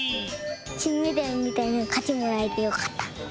きんメダルみたいなかちもらえてよかった。